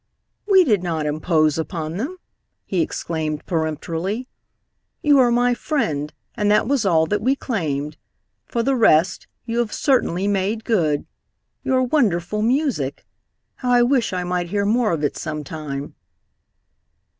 "We did not impose upon them!" he exclaimed peremptorily. "You are my friend, and that was all that we claimed. For the rest, you have certainly made good. Your wonderful music! How I wish I might hear more of it some time!"